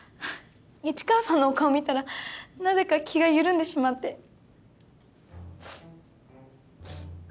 市川さんのお顔を見たらなぜか気が緩んでしまって。